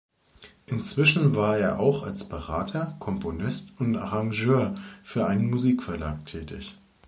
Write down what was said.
Inzwischen war er auch als Berater, Komponist und Arrangeur für einen Musikverlag tätig.